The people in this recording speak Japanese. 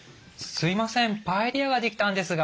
すいませんパエリアが出来たんですが。